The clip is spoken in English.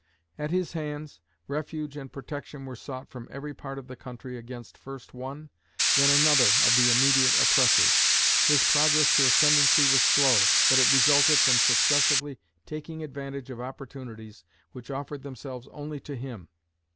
At his hands, refuge and protection were sought from every part of the country against first one, then another of the immediate oppressors. His progress to ascendancy was slow; but it resulted from successively taking advantage of opportunities which offered themselves only to him.